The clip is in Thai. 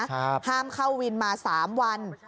ห้ามเข้าวินมา๓วัน